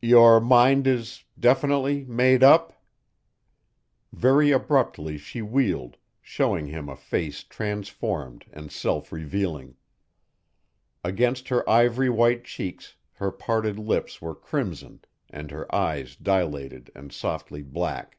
"Your mind is definitely made up?" Very abruptly she wheeled, showing him a face transformed and self revealing. Against her ivory white cheeks her parted lips were crimson and her eyes dilated and softly black.